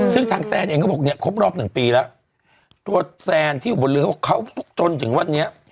ซึ่งทางแซนเองก็บอกเนี่ยครบรอบหนึ่งปีแล้วตัวแซนที่อยู่บนเรือเขาบอกเขาจนถึงวันนี้